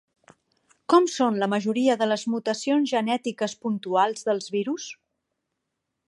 Com són la majoria de les mutacions genètiques puntuals dels virus?